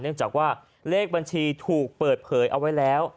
เนื่องจากว่าเลขบัญชีถูกเปิดเผยเอาไว้แล้ว